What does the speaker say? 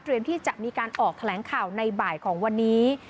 ที่จะมีการออกแถลงข่าวในบ่ายของวันนี้